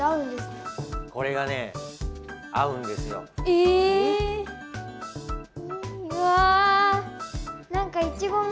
え⁉うわ！